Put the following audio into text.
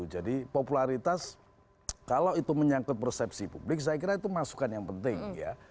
jadi popularitas kalau itu menyangkut persepsi publik saya kira itu masukan yang penting ya